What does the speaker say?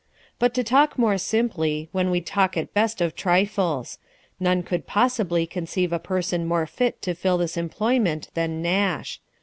But to talk more simply, when we talk at best of trifles. None could possibly conceive a person more fit to fill this employment than Nash.